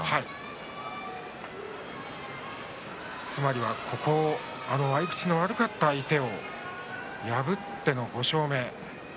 つまりは合い口の悪かった相手を破っての５勝目。